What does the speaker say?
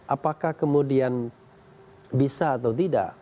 apakah kemudian bisa atau tidak